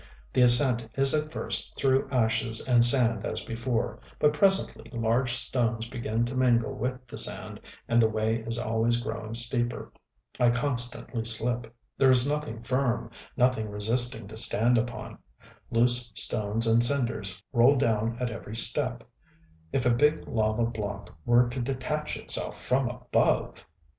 The ascent is at first through ashes and sand as before; but presently large stones begin to mingle with the sand; and the way is always growing steeper.... I constantly slip. There is nothing firm, nothing resisting to stand upon: loose stones and cinders roll down at every step.... If a big lava block were to detach itself from above!...